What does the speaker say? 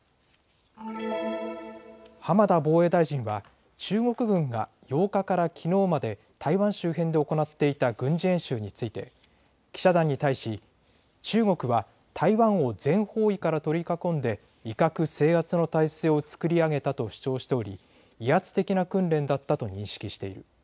浜田防衛大臣は中国軍が８日からきのうまで台湾周辺で行っていた軍事演習について、記者団に対し中国は台湾を全方位から取り囲んで威嚇、制圧の態勢を作り上げたと主張しており威圧的な訓練だったと認識している。